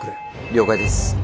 了解です。